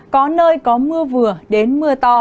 có nơi có mưa vừa đến mưa to